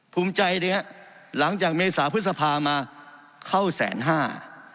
ภูมิใจดีฮะหลังจากเมษาพฤษภามาเข้าแสนห้า